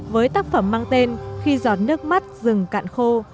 với tác phẩm mang tên khi giọt nước mắt rừng cạn khô